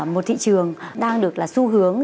một thị trường đang được là xu hướng